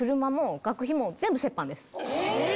え！